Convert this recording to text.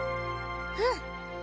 うん。